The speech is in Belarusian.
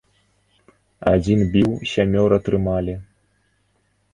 Адзін біў, сямёра трымалі?